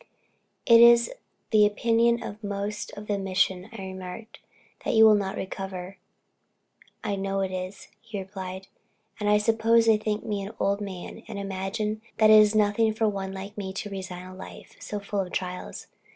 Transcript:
"It is the opinion of most of the mission," I remarked, "that you will not recover." "I know it is," he replied; "and I suppose they think me an old man, and imagine that it is nothing for one like me to resign a life so full of trials.